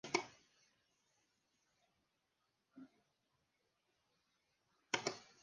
Se extrae de la resina de ciertas variedades de la Acacia.